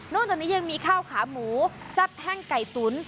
จากนี้ยังมีข้าวขาหมูแซ่บแห้งไก่ตุ๋น